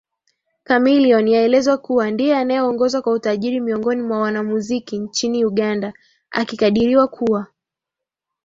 Chameleone yaelezwa kuwa ndiye anayeongoza kwa utajiri miongoni mwa wanamuziki nchini Uganda akikadiriwa kuwa